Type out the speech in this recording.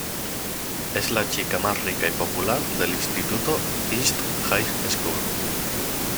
Es la chica más rica y popular del instituto East High School.